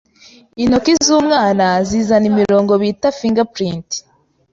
Intoki z’umwana zizana imirongo bita fingerprint